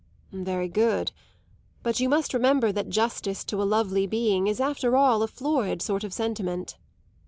"Very good. But you must remember that justice to a lovely being is after all a florid sort of sentiment."